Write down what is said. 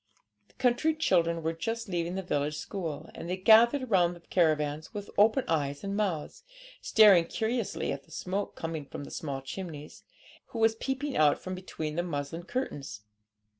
The country children were just leaving the village school, and they gathered round the caravans with open eyes and mouths, staring curiously at the smoke coming from the small chimneys, and at Rosalie, who was peeping out from between the muslin curtains.